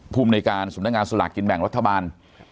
ภูมิในการสำนักงานสลากกินแบ่งรัฐบาล